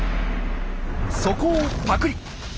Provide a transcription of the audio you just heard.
そこをパクリ！